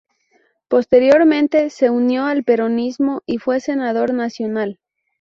Posteriormente se unió al peronismo y fue senador nacional.